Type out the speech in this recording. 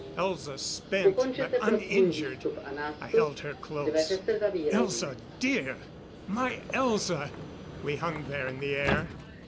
Elza, spent, but uninjured, I held her close. "Elza dear! My Elza!" We hung there in the air.